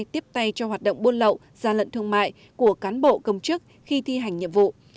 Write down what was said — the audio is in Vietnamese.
tiếp tay cho hoạt động buôn lậu gian lận thương mại của cán bộ công chức khi thi hành nhiệm vụ